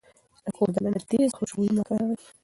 د کور دننه تيز خوشبويي مه کاروئ.